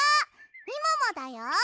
みももだよ！